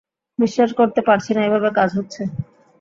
বিশ্বাস করতে পারছি না, এভাবে কাজ হচ্ছে।